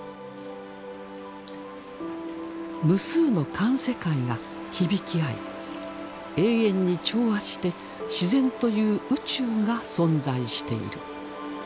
無数の環世界が響き合い永遠に調和して自然という宇宙が存在している。